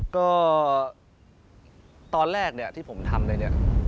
ก็ตอนแรกที่ผมทำเลยเนี่ย